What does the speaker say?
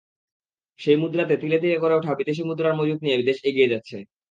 সেই মুদ্রাতে তিলে তিলে গড়ে ওঠা বিদেশি মুদ্রার মজুত নিয়ে দেশ এগিয়ে যাচ্ছে।